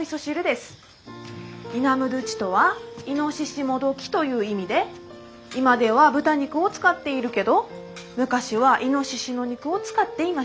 「イナムドゥチ」とは「イノシシもどき」という意味で今では豚肉を使っているけど昔はイノシシの肉を使っていました。